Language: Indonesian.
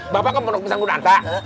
bapak ke pondok pesan gunung antak